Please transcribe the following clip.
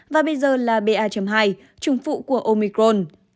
và bây giờ là ba hai trùng phụ của omicron